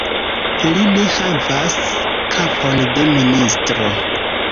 Li ne havas kapon de ministro.